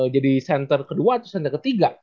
jadi center kedua atau center ketiga